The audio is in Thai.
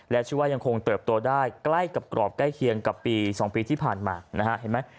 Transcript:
และชื่อว่ายังคงเติบโตได้ใกล้กับกรอบใกล้เคียงกับปี๒ปีที่ผ่านมานะฮะเห็นไหม